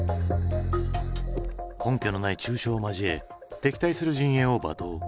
根拠のない中傷を交え敵対する陣営を罵倒。